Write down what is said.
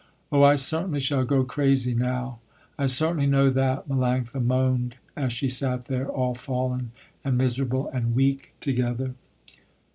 "Oh, I certainly shall go crazy now, I certainly know that," Melanctha moaned as she sat there, all fallen and miserable and weak together.